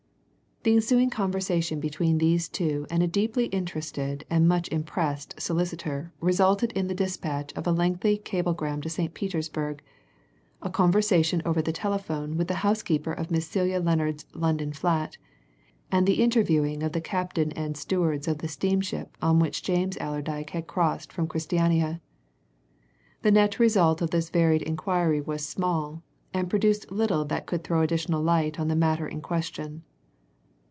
The ensuing conversation between these two and a deeply interested and much impressed solicitor resulted in the dispatch of a lengthy cablegram to St. Petersburg, a conversation over the telephone with the housekeeper of Miss Celia Lennard's London flat, and the interviewing of the captain and stewards of the steamship on which James Allerdyke had crossed from Christiania. The net result of this varied inquiry was small, and produced little that could throw additional light on the matter in question.